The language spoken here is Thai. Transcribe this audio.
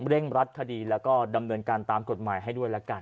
เร่งรัดคดีแล้วก็ดำเนินการตามกฎหมายให้ด้วยละกัน